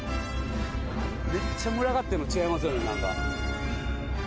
めっちゃ群がってるの違いますよね何か。